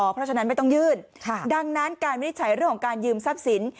เพราะฉะนั้นไม่ต้องยื่นดังนั้นการวินิจฉัยเรื่องของการยืมทรัพย์สิน